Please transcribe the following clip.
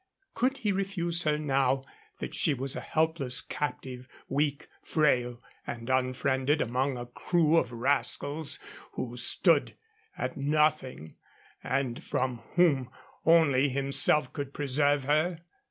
Could he refuse her now that she was a helpless captive, weak, frail, and unfriended among a crew of rascals who stood at nothing and from whom only himself could preserve her?